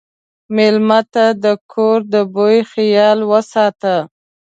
مېلمه ته د کور د بوي خیال وساته.